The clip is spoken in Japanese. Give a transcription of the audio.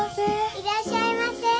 いらっしゃいませ。